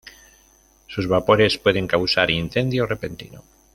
Sus vapores pueden causar incendio repentino.